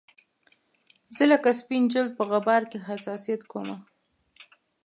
زه لکه سپین جلد په غبار کې حساسیت کومه